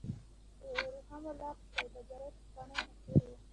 د ورېښمو لار د سوداګرۍ پخوانی مسیر و.